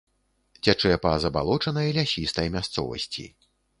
Цячэ па забалочанай лясістай мясцовасці.